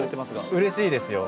うれしいですよ。